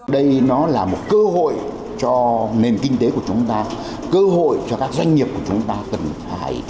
đây nó là một cơ hội cho nền kinh tế của chúng ta cơ hội cho các doanh nghiệp của chúng ta cần phải